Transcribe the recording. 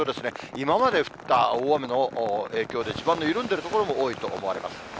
今まで降った大雨の影響で、地盤の緩んでいる所も多いと思われます。